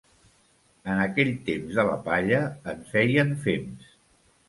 En aquell temps, de la palla en feien fems.